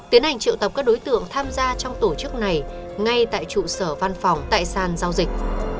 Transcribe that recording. tiến hành triệu tập các đối tượng tham gia trong tổ chức này ngay tại trụ sở văn phòng tại sàn giao dịch